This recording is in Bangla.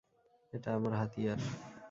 এটা আমার হাতিয়ার!